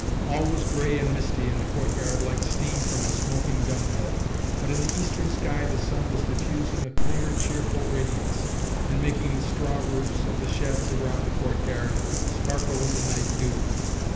All was grey and misty in the courtyard, like steam from a smoking dunghill, but in the eastern sky the sun was diffusing a clear, cheerful radiance, and making the straw roofs of the sheds around the courtyard sparkle with the night dew.